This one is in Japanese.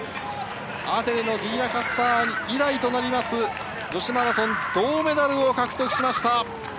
ディーナ・カスター以来となる女子マラソン銅メダルを獲得しました。